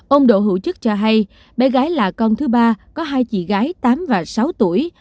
ông đỗ hữu chức cho hay bé gái là con thứ ba có hai chị gái tám và sáu tuổi